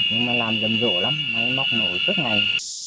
nhưng mà làm rầm rộ lắm hay móc nổi tức này